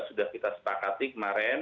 sudah kita setakati kemarin